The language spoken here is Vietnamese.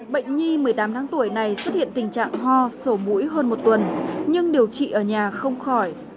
bệnh nhi một mươi tám tháng tuổi này xuất hiện tình trạng ho sổ mũi hơn một tuần nhưng điều trị ở nhà không khỏi